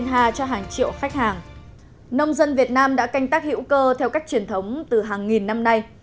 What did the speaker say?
nông dân việt nam đã canh tác hữu cơ theo cách truyền thống từ hàng nghìn năm nay